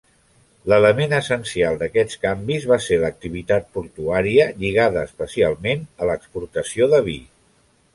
L'element essencial d'aquests canvis va ser l'activitat portuària, lligada especialment a l'exportació de vi.